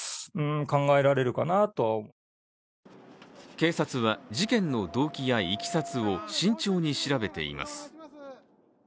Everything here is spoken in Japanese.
警察は、事件の動機やいきさつを慎重に調べています。